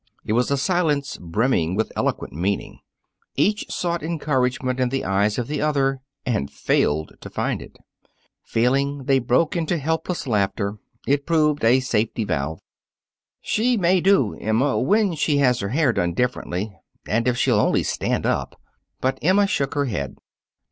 It was a silence brimming with eloquent meaning. Each sought encouragement in the eyes of the other and failed to find it. Failing, they broke into helpless laughter. It proved a safety valve. "She may do, Emma when she has her hair done differently, and if she'll only stand up." But Emma shook her head.